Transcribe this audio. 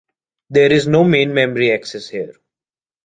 There is no main memory access here.